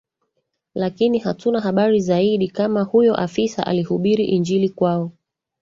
Lakini hatuna habari zaidi kama huyo afisa alihubiri Injili kwao